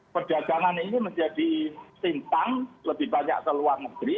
perdagangan ini menjadi simpang lebih banyak ke luar negeri